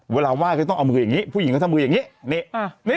ไหว้ก็ต้องเอามืออย่างนี้ผู้หญิงก็ทำมืออย่างนี้